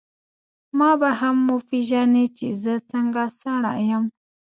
ما به هم وپېژنې چي زه څنګه سړی یم.